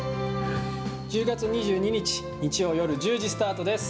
１０月２２日日曜夜１０時スタートです。